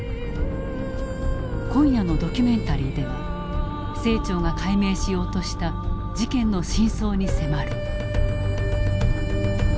今夜のドキュメンタリーでは清張が解明しようとした事件の真相に迫る。